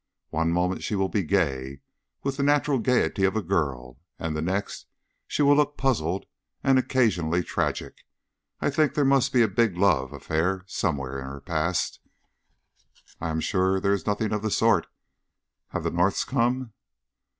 One moment she will be gay with the natural gayety of a girl, and the next she will look puzzled, and occasionally tragic. I think there must be a big love affair somewhere in her past." "I am sure there is nothing of the sort. Have the Norths come?"